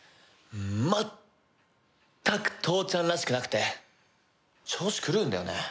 まったく父ちゃんらしくなくて調子狂うんだよね。